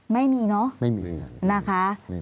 ไม่มีเนอะนะคะ